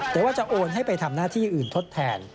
แต่ว่าจะโอนให้ไปทำหน้าที่อื่นทดแทน